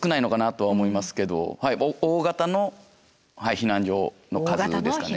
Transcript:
大型の避難所の数ですかね。